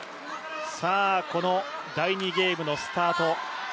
この第２ゲームのスタート